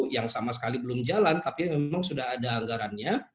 yang sama sekali belum jalan tapi memang sudah ada anggarannya